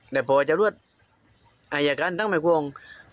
และพ่อเจ้ารวดอายการทั้งหมายกวง